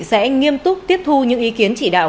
sẽ nghiêm túc tiếp thu những ý kiến chỉ đạo